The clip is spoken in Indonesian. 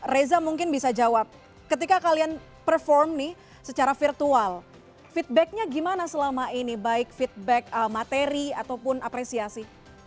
reza mungkin bisa jawab ketika kalian perform nih secara virtual feedbacknya gimana selama ini baik feedback materi ataupun apresiasi